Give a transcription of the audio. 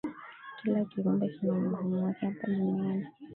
Kila kiumbe kina umuhimu wake hapa duniani